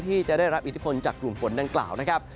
ที่จะได้รับอิทธิพลจากกลุ่มฝนดังกล่าวนะครับ